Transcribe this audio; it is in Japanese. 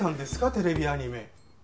テレビアニメ。